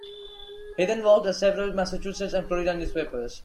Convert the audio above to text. He then worked at several Massachusetts and Florida newspapers.